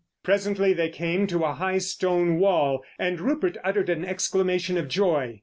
Presently they came to a high, stone wall, and Rupert uttered an exclamation of joy.